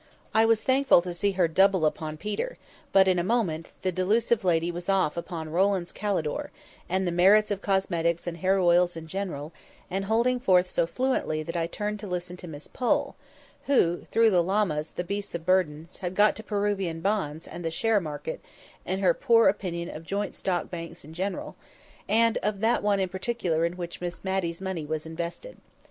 I was thankful to see her double upon Peter; but, in a moment, the delusive lady was off upon Rowland's Kalydor, and the merits of cosmetics and hair oils in general, and holding forth so fluently that I turned to listen to Miss Pole, who (through the llamas, the beasts of burden) had got to Peruvian bonds, and the share market, and her poor opinion of joint stock banks in general, and of that one in particular in which Miss Matty's money was invested.